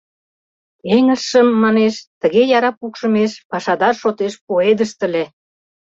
«Эҥыжшым, манеш, тыге яра пукшымеш пашадар шотеш пуэдышт ыле.